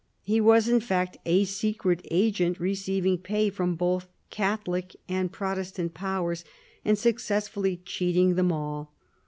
He was in fact a secret agent, receiving pay from both Catholic and Protestant powers, and successfully cheating them all.